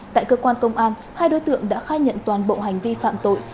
tại cơ quan công an hai đối tượng đã khai nhận toàn bộ hành vi phạm tội